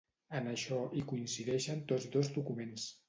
En això hi coincideixen tots dos documents.